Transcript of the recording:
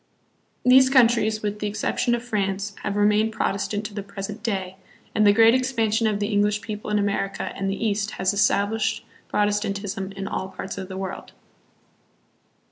These countries, with the exception of France, have remained Protestant to the present day; and the great expansion of the English people in America and the East has established Protestantism in all parts of the world.